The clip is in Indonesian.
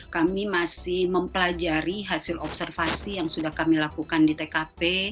kami masih mempelajari hasil observasi yang sudah kami lakukan di tkp